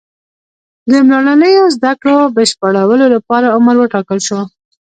د لومړنیو زده کړو بشپړولو لپاره عمر وټاکل شو.